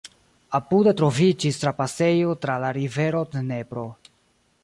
Apude troviĝis trapasejo tra la rivero Dnepro.